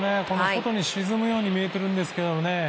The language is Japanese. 外に沈むように見えているんですけどね